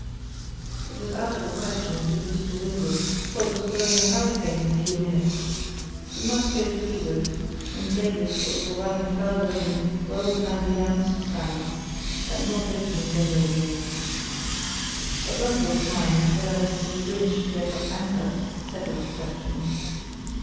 It was out of the question to beat to windward, for it was blowing a hurricane in a few minutes. We must go to leeward, and Davies was for running farther in well behind the Jans sand, and not risking Bensersiel. A blunder of mine, when I went to the winch to get up anchor, settled the question.